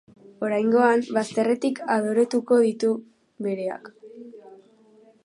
Oraingoan, bazterretik adoretuko ditu bereak.